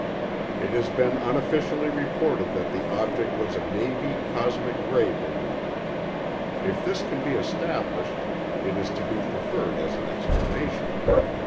"It has been unofficially reported that the object was a Navy cosmic ray balloon. If this can be established it is to be preferred as an explanation.